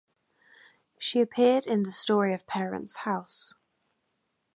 She appeared in "The Story of Parents House".